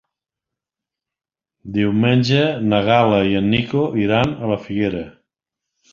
Diumenge na Gal·la i en Nico iran a la Figuera.